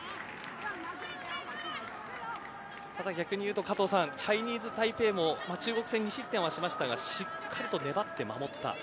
ただ逆にいうと加藤さんチャイニーズタイペイも中国戦、２失点しましたがしっかりと粘って守った。